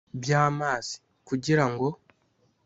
bya amazi kugira ngo